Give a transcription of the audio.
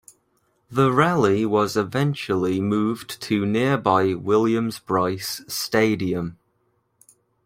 The rally was eventually moved to nearby Williams-Brice Stadium.